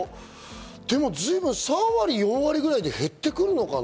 でも随分、３割４割ぐらいで減ってくるのかな？